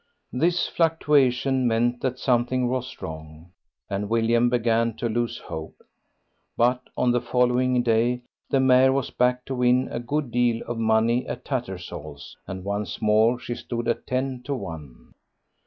This fluctuation meant that something was wrong, and William began to lose hope. But on the following day the mare was backed to win a good deal of money at Tattersall's, and once more she stood at ten to one.